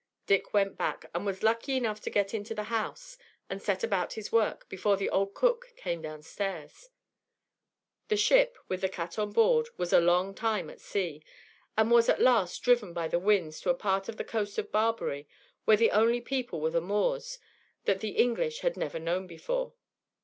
Dick went back, and was lucky enough to get into the house, and set about his work, before the old cook came downstairs. The ship, with the cat on board, was a long time at sea; and was at last driven by the winds on a part of the coast of Barbary, where the only people were the Moors, that the English had never known before.